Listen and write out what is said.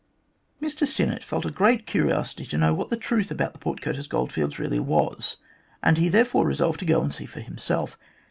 Mr Sinnett felt a great curiosity to know what the truth about the Port Curtis goldfields really was, and he therefore resolved to go and see for himself.